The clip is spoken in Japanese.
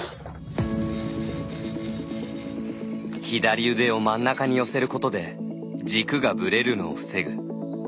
左腕を真ん中に寄せることで軸がぶれるのを防ぐ。